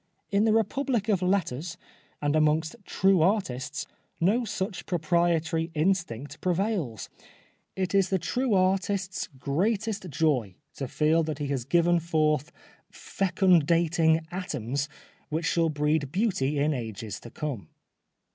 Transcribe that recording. In the Republic of Letters and amongst true artists no such proprietary instinct prevails. It is the true artist's greatest joy to feel that he has given forth fecundating atoms which shall breed beauty in ages to come.